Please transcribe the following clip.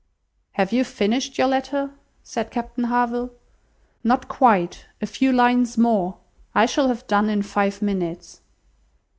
"Have you finished your letter?" said Captain Harville. "Not quite, a few lines more. I shall have done in five minutes."